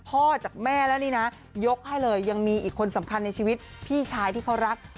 จากแม่แล้วนี่นะยกให้เลยยังมีอีกคนสำคัญในชีวิตพี่ชายที่เขารัก